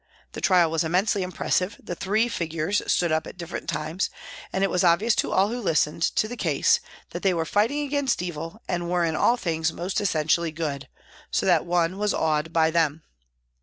The trial was immensely impressive, the three figures stood up at different times, and it was obvious to all who listened to the case that they were fighting against evil and were in all things most essentially good, so that one was awed by them.